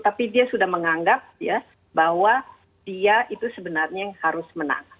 tapi dia sudah menganggap ya bahwa dia itu sebenarnya yang harus menang